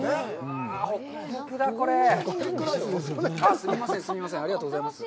すみません、すみません、ありがとうございます。